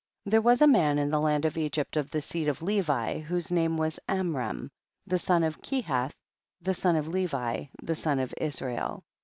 There was a man in the land of Egypt of the seed of Levi, whose name was Amram, the son of Ke hath, the son of Levi, the son of Is rael.